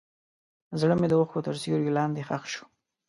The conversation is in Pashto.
زړه مې د اوښکو تر سیوري لاندې ښخ شو.